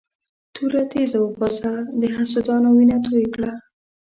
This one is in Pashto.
توره تېزه وباسه د حسودانو وینه توی کړه.